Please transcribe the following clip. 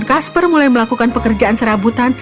kasper mulai melakukan pekerjaan serabutan